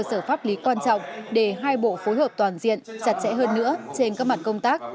cơ sở pháp lý quan trọng để hai bộ phối hợp toàn diện chặt chẽ hơn nữa trên các mặt công tác